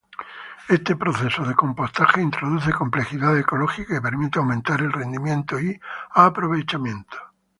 Este proceso de compostaje introduce complejidad ecológica y permite aumentar el rendimiento y aprovechamiento.